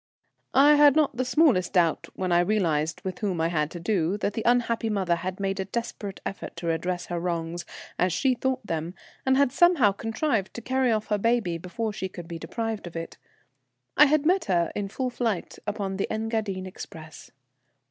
I had not the smallest doubt when I realized with whom I had to do that the unhappy mother had made a desperate effort to redress her wrongs, as she thought them, and had somehow contrived to carry off her baby before she could be deprived of it. I had met her in full flight upon the Engadine express.